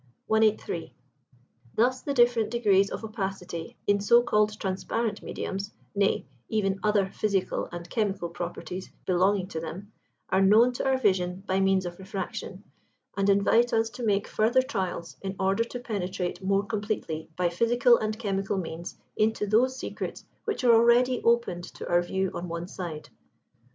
183. Thus the different degrees of opacity in so called transparent mediums, nay, even other physical and chemical properties belonging to them, are known to our vision by means of refraction, and invite us to make further trials in order to penetrate more completely by physical and chemical means into those secrets which are already opened to our view on one side.